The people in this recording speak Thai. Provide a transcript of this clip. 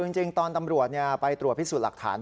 จริงตอนตำรวจไปตรวจพิสูจน์หลักฐาน